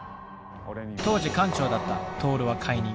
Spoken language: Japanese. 当時艦長だったトオルは解任。